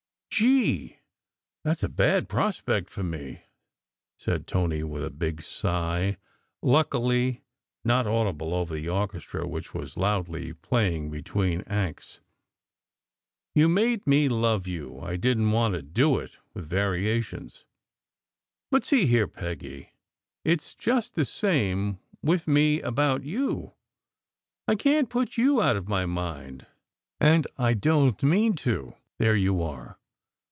" Gee ! That s a bad prospect for me," said Tony with a big sigh, luckily not audible over the orchestra which was loudly playing between acts "You made me love you, I SECRET HISTORY 207 didn t want to do it!" with variations. "But see here, Peggy, it s just the same with me about you. I can t put you out of my mind, and I don t mean to. There you are!